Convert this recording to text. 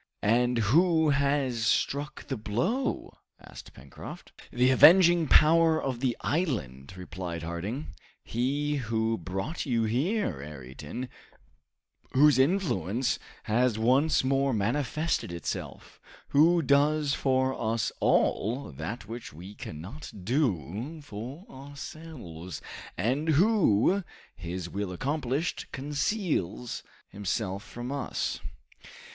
"And who has struck the blow?" asked Pencroft. "The avenging power of the island," replied Harding, "he who brought you here, Ayrton, whose influence has once more manifested itself, who does for us all that which we cannot do for ourselves, and who, his will accomplished, conceals himself from us."